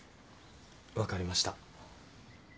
わかりました。